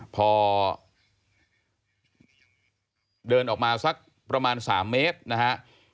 พอเดินออกมาสักประมาณ๓เมตรนะฮะ